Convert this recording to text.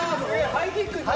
ハイキックいく？